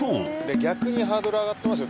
逆にハードル上がってますよ。